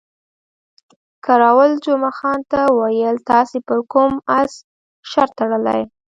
کراول جمعه خان ته وویل، تاسې پر کوم اس شرط تړلی؟